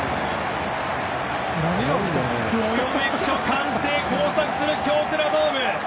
どよめきと歓声が交錯する京セラドーム。